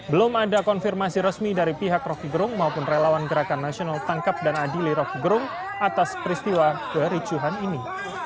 belum ada konfirmasi resmi dari pihak rokigerung maupun relawan gerakan nasional tangkap dan adili rokigerung atas peristiwa bericuhan ini